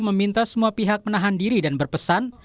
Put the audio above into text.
meminta semua pihak menahan diri dan berpesan